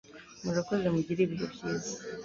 Murakoze mugire ibihe byiza